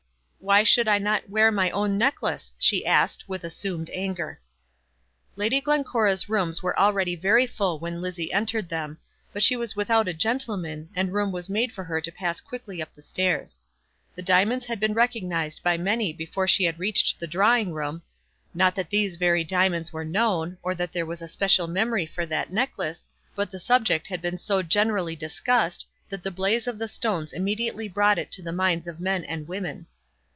"Why should I not wear my own necklace?" she asked, with assumed anger. Lady Glencora's rooms were already very full when Lizzie entered them, but she was without a gentleman, and room was made for her to pass quickly up the stairs. The diamonds had been recognised by many before she had reached the drawing room; not that these very diamonds were known, or that there was a special memory for that necklace; but the subject had been so generally discussed, that the blaze of the stones immediately brought it to the minds of men and women.